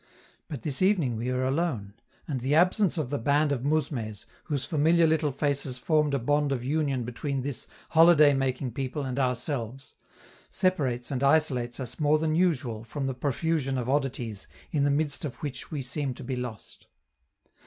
But this evening we are alone, and the absence of the band of mousmes, whose familiar little faces formed a bond of union between this holiday making people and ourselves, separates and isolates us more than usual from the profusion of oddities in the midst of which we seem to be lost.